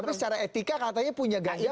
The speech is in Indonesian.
tapi secara etika katanya punya ganjar